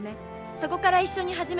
そこから一緒に始めない？